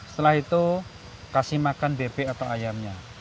setelah itu kasih makan bebek atau ayamnya